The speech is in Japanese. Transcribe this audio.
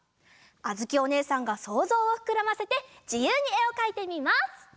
あづきおねえさんがそうぞうをふくらませてじゆうにえをかいてみます！